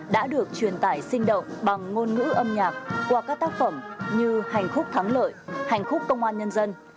đã được truyền tải sinh động bằng ngôn ngữ âm nhạc qua các tác phẩm như hành khúc thắng lợi hành khúc công an nhân dân